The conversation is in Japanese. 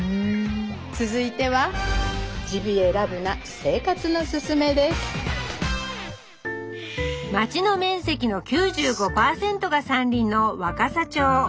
続いては町の面積の９５％が山林の若桜町。